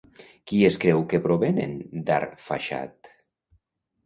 Qui es creu que provenen d'Arfaxad?